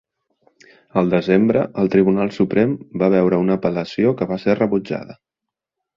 El desembre, el tribunal suprem va veure una apel·lació que va ser rebutjada.